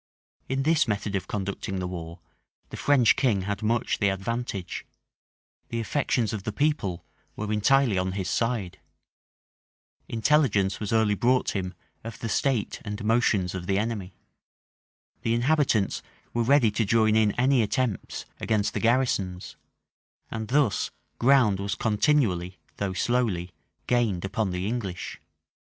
In this method of conducting the war, the French king had much the advantage: the affections of the people were entirely on his side: intelligence was early brought him of the state and motions of the enemy: the inhabitants were ready to join in any attempts against the garrisons: and thus ground was continually, though slowly, gained upon the English.